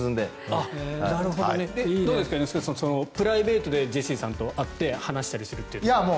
どうですか、猿之助さんプライベートでジェシーさんと会って話したりするのは。